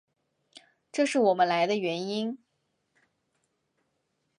这是我们来的原因。